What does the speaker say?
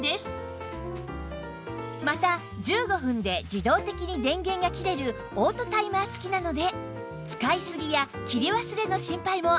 また１５分で自動的に電源が切れるオートタイマー付きなので使いすぎや切り忘れの心配もありません